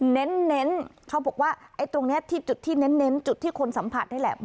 เน้นเขาบอกว่าไอ้ตรงนี้ที่จุดที่เน้นจุดที่คนสัมผัสนี่แหละ